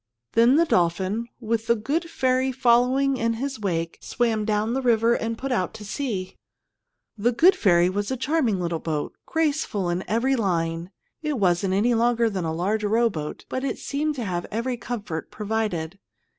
Then the dolphin, with The Good Ferry following in his wake, swam down the river and put out to sea. The Good Ferry was a charming little boat, graceful in every line. It wasn't any longer than a large rowboat, but it seemed to have every comfort provided.